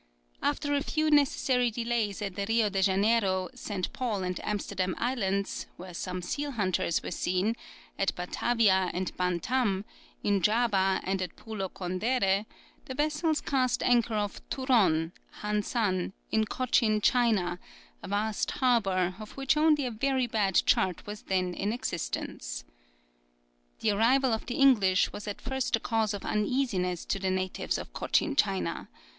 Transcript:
] After a few necessary delays at Rio de Janeiro, St. Paul and Amsterdam Islands, where some seal hunters were seen, at Batavia, and Bantam, in Java, and at Poulo Condere, the vessels cast anchor off Turon (Han San) in Cochin China, a vast harbour, of which only a very bad chart was then in existence. The arrival of the English was at first a cause of uneasiness to the natives of Cochin China.